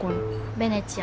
ベネチア。